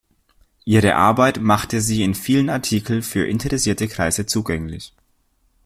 Ihre Arbeit machte sie in vielen Artikeln für interessierte Kreise zugänglich.